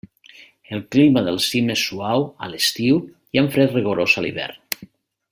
El clima del cim és suau a l'estiu i amb fred rigorós a l'hivern.